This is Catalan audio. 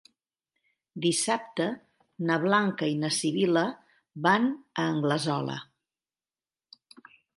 Dissabte na Blanca i na Sibil·la van a Anglesola.